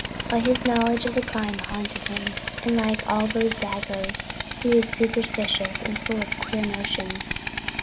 But his knowledge of the crime haunted him. Like all those dagoes, he was superstitious and full of queer notions.